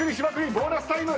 ボーナスタイム！